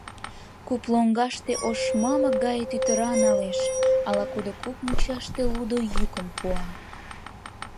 Куп лоҥгаште ош мамык гае тӱтыра налеш, ала-кудо куп мучаште лудо йӱкым пуа.